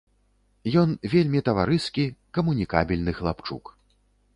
Ён вельмі таварыскі, камунікабельны хлапчук.